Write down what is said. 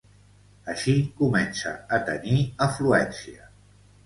Així comença a tenir afluència.